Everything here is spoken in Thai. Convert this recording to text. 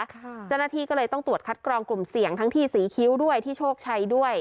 เจ้าหน้าที่ก็เลยต้องตรวจคัดกรองกลุ่มเสี่ยงทั้งที่ศรีคิ้วด้วยที่โชคชัยด้วย